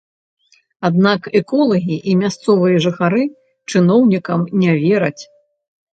Аднак эколагі і мясцовыя жыхары чыноўнікам не вераць.